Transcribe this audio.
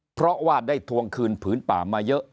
เพราะว่าได้ทวงคืนผืนป่ามาเยอะ